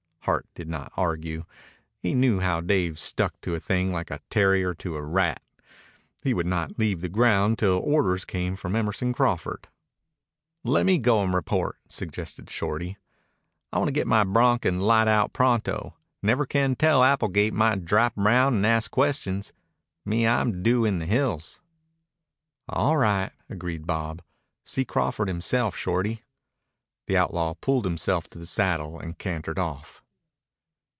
Hart did not argue. He knew how Dave stuck to a thing like a terrier to a rat. He would not leave the ground till orders came from Emerson Crawford. "Lemme go an' report," suggested Shorty. "I wanta get my bronc an' light out pronto. Never can tell when Applegate might drap around an' ask questions. Me, I'm due in the hills." "All right," agreed Bob. "See Crawford himself, Shorty." The outlaw pulled himself to the saddle and cantered off.